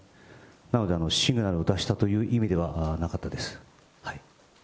なのでシグナルを出したという意味ではなかったです。